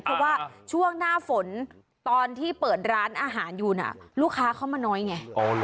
เพราะว่าช่วงหน้าฝนตอนที่เปิดร้านอาหารอยู่น่ะลูกค้าเข้ามาน้อยไง